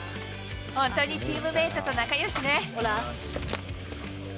本当にチームメートと仲よしね。